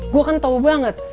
gue kan tau banget